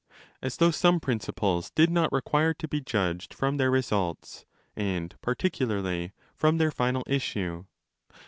As though some principles did not require to be judged ;; from their results, and particularly from their final issue!